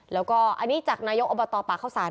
แล้วก็อันนี้จากนายกอบตป่าเข้าสาร